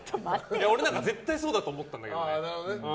俺なんか絶対そうだと思ったんだけど。